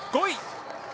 ５位！